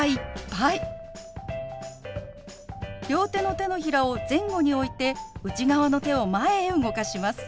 両手の手のひらを前後に置いて内側の手を前へ動かします。